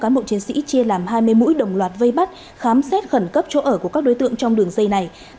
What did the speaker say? cán bộ chiến sĩ chia làm hai mươi mũi đồng loạt vây bắt khám xét khẩn cấp chỗ ở của các đối tượng trong đường dây này